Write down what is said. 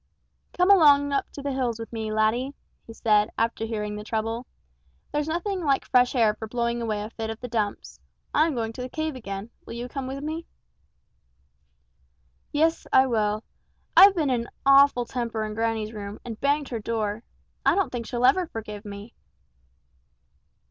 "Come along up to the hills with me, laddie," he said, after hearing the trouble; "there's nothing like fresh air for blowing away a fit of the dumps. I am going to the cave again will you come with me?" "Yes, I will. I've been in an awful temper in granny's room, and banged her door. I don't think she'll ever forgive me!"